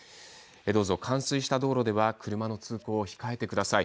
どうぞ冠水した道路では車の通行を控えてください。